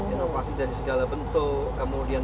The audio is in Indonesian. inovasi dari segala bentuk kemudian